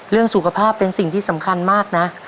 เรื่องสุขภาพเป็นสิ่งที่สำคัญมากนะ